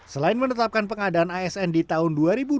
selain menetapkan pengadaan asn di tahun dua ribu dua puluh